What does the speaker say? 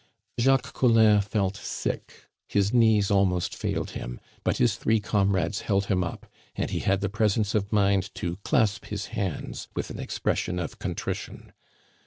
Jacques Collin felt sick, his knees almost failed him; but his three comrades held him up, and he had the presence of mind to clasp his hands with an expression of contrition.